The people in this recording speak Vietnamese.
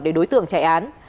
để đối tượng chạy án